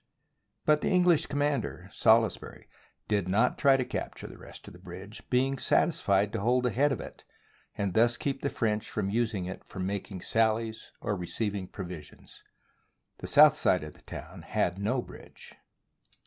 But the English commander, Salisbury, did not try to capture the rest of the bridge, being satisfied to hold the head of it and thus to keep the French from using it for making sallies or receiving provisions. The south side of the town had no bridge.